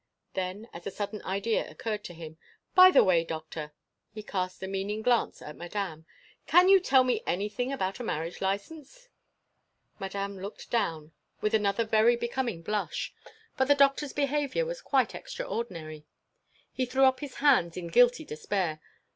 Then, as a sudden idea occurred to him, "By the way, Doctor—" he cast a meaning glance at Madame—"can you tell me anything about a marriage licence?" Madame looked down, with another very becoming blush: but the Doctor's behaviour was quite extraordinary. He threw up his hands in guilty despair.